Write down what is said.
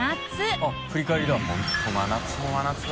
あっ振り返りだ。